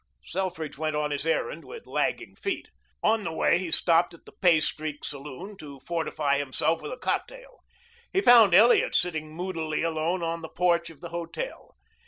Selfridge went on his errand with lagging feet. On the way he stopped at the Pay Streak Saloon to fortify himself with a cocktail. He found Elliot sitting moodily alone on the porch of the hotel.